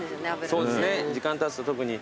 そうですね時間たつと特に。